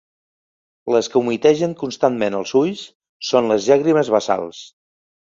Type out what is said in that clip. Les que humitegen constantment els ulls són les llàgrimes basals.